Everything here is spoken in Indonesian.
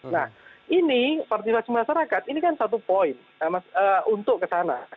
nah ini partisipasi masyarakat ini kan satu poin untuk kesana